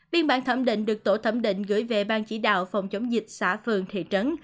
biên bản thẩm định được tổ thẩm định gửi về ban chỉ đạo phòng chống dịch xã phường thị trấn